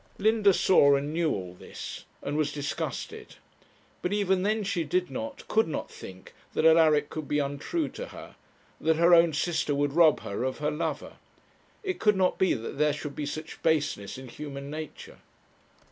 Linda saw and knew all this, and was disgusted. But even then she did not, could not think that Alaric could be untrue to her; that her own sister would rob her of her lover. It could not be that there should be such baseness in human nature!